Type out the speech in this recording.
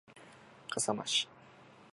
笠間市